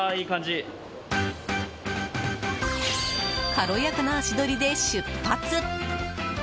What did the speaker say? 軽やかな足取りで出発。